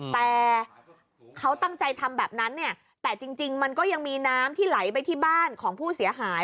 แต่เขาตั้งใจทำแบบนั้นเนี่ยแต่จริงมันก็ยังมีน้ำที่ไหลไปที่บ้านของผู้เสียหาย